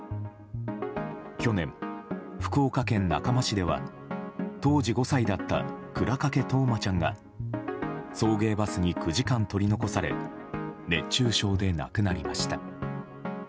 去年、福岡県中間市では当時５歳だった倉掛冬生ちゃんが送迎バスに９時間取り残され熱中症で亡くなりました。